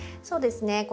そうですね